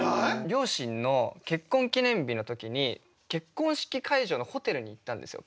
両親の結婚記念日の時に結婚式会場のホテルに行ったんですよ